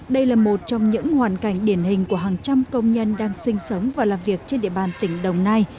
đây là một trong những hoàn cảnh điển hình của hàng trăm công nhân đang sinh sống và làm việc trên địa bàn tỉnh đồng nai